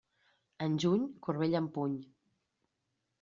En juny, corbella en puny.